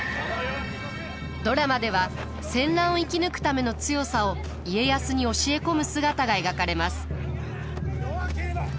ドラマでは戦乱を生き抜くための強さを家康に教え込む姿が描かれます。